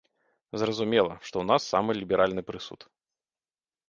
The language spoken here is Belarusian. Зразумела, што ў нас самы ліберальны прысуд.